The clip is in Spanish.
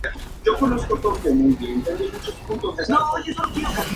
Para el turismo hay atractivos tales como dos templos.